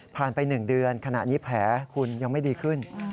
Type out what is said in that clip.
ผ่านไปหนึ่งเดือนขณะนี้แผลคุณยังไม่ดีขึ้น